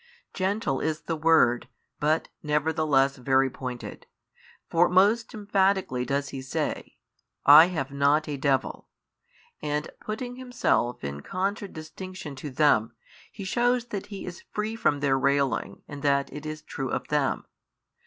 Gentle is the word, but nevertheless very pointed. For most emphatically does He say, I have not a devil, and putting Himself in contradistinction to them, He shews that He is free from their railing and that it is true of them.